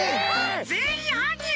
ぜんいんはんにん！？